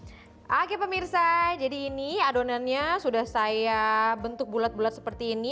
oke pemirsa jadi ini adonannya sudah saya bentuk bulat bulat seperti ini